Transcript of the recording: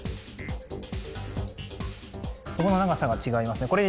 ここの長さが違いますね